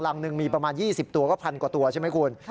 หนึ่งมีประมาณ๒๐ตัวก็พันกว่าตัวใช่ไหมคุณ